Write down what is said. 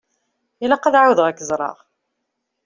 Ilaq ad εawdeɣ ad k-ẓreɣ.